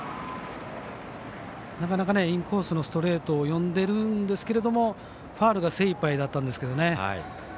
インコースのストレート読んでいるんですがファウルが精いっぱいだったんですけどね。